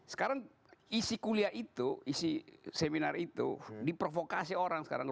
sekarang isi kuliah itu isi seminar itu diprovokasi orang sekarang